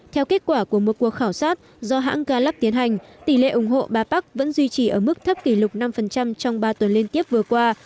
theo kết quả của một cuộc khảo sát do hãng galup tiến hành tỷ lệ ủng hộ ba park vẫn duy trì ở mức thấp kỷ lục năm trong ba tuần liên tiếp vừa qua